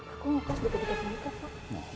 aku mau ke kosketur kita sendiri pak